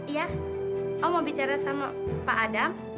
iya oma bicara sama pak adam